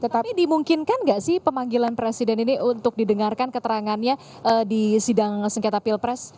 tapi dimungkinkan nggak sih pemanggilan presiden ini untuk didengarkan keterangannya di sidang sengketa pilpres